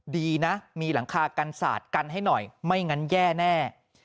ดีนะมีหลังคากันศาสตร์กันให้หน่อยไม่งั้นแย่แน่